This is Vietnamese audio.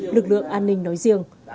lực lượng an ninh nói riêng